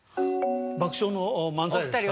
爆笑の漫才ですか？